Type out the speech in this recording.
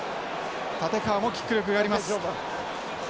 立川もキック力があります。